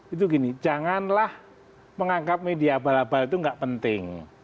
itu gini janganlah menganggap media abal abal itu nggak penting